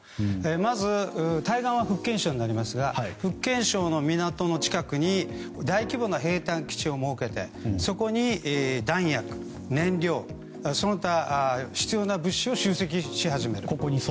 まず、対岸は福建省になりますが福建省の港の近くに大規模な兵隊基地を設けてそこに弾薬、燃料その他、必要な物資を集積し始める。